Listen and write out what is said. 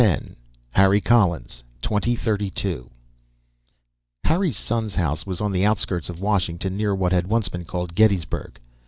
10. Harry Collins 2032 Harry's son's house was on the outskirts of Washington, near what had once been called Gettysburg.